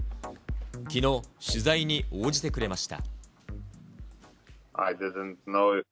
きのう、取材に応じてくれました。